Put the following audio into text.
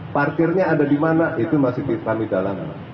parkirnya ada di mana itu masih kami dalam